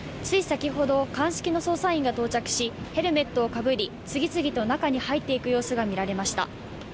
つい先ほど、鑑識の捜査員が到着しヘルメットをかぶり、次々と中に入っていく様子が見られました。